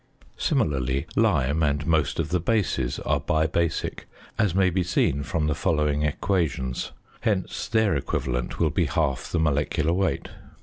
Similarly, lime and most of the bases are bibasic, as may be seen from the following equations; hence their equivalent will be half the molecular weight.